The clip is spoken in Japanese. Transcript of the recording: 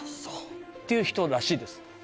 そうっていう人らしいです